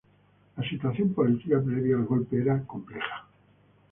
La situación política previa al golpe era compleja.